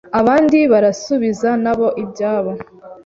abandi barasubiza nabo ibyabo